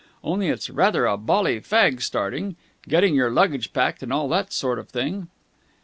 Only it's rather a bally fag, starting. Getting your luggage packed and all that sort of thing."